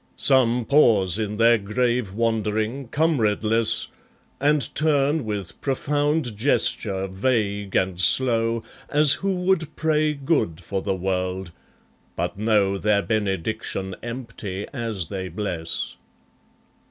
Some pause in their grave wandering comradeless, And turn with profound gesture vague and slow, As who would pray good for the world, but know Their benediction empty as they bless.